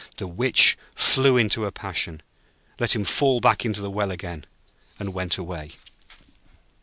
The Witch flew into a passion, let him fall back into the well again, and went away.